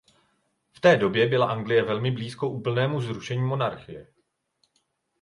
V té době byla Anglie velmi blízko úplnému zrušení monarchie.